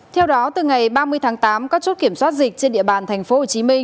theo đó từ ngày ba mươi tháng tám các chốt kiểm soát dịch trên địa bàn tp hcm